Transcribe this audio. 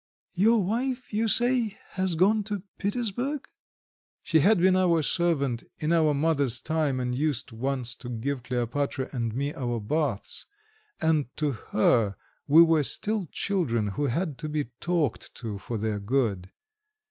Your wife, you say, has gone to Petersburg?" She had been our servant in our mother's time, and used once to give Kleopatra and me our baths, and to her we were still children who had to be talked to for their good.